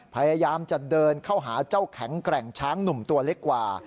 พยายามจะเดินเข้าหาเจ้าแข็งแกร่งช้างหนุ่มตัวเล็กกว่า